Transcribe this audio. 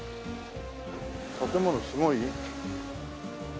建物すごい？